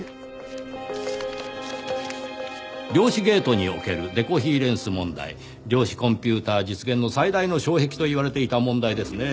「量子ゲートにおけるデコヒーレンス問題」量子コンピューター実現の最大の障壁と言われていた問題ですねぇ。